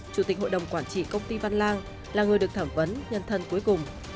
chủ tịch hội đồng quản trị công ty văn lang là người được thẩm vấn nhân thân cuối cùng